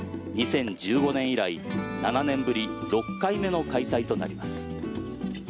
２０１５年以来７年ぶり６回目の開催となります。